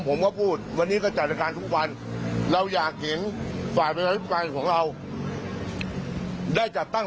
ผมก็พูดวันนี้ก็จัดรายการทุกวัน